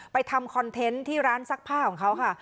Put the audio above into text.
ทำคอนเทนต์ที่ร้านซักผ้าของเขาค่ะ